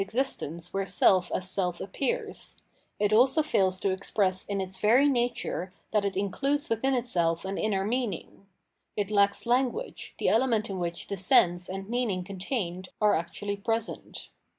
existence where self as self appears : it also fails to express in its very nature that it includes within itself an inner meaning; it lacks language, the element in which the sense and meaning contained are actually present.